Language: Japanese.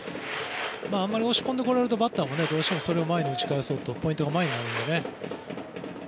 あまり押し込んでこられるとバッターもそれ打ち返そうとポイントが前になるので。